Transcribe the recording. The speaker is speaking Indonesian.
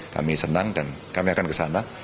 kami senang dan kami akan kesana